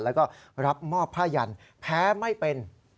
แล้วก็รับมอบผ้ายันแพ้ไม่เป็น